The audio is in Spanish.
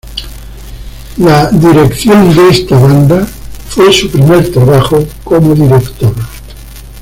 La dirección de esta Banda fue su primer trabajo como director.